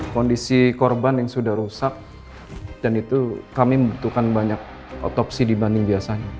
kondisi korban yang sudah rusak dan itu kami membutuhkan banyak otopsi dibanding biasanya